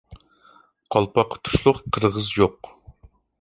قالپاققا تۇشلۇق قىرغىز يوق.